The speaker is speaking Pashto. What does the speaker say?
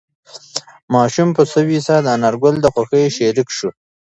ماشوم په سوې ساه د انارګل د خوښۍ شریک شو.